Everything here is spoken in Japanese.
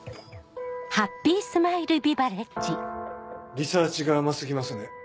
リサーチが甘過ぎますね。